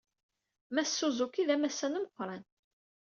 Mass Suzuki d amassan ameqran.